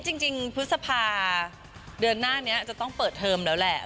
จริงพฤษภาเดือนหน้านี้จะต้องเปิดเทอมแล้วแหละ